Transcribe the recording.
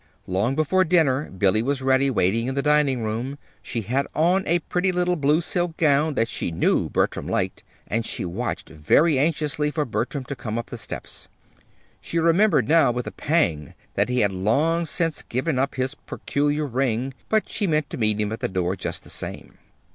Long before dinner Billy was ready, waiting in the drawing room. She had on a pretty little blue silk gown that she knew Bertram liked, and she watched very anxiously for Bertram to come up the steps. She remembered now, with a pang, that he had long since given up his peculiar ring; but she meant to meet him at the door just the same.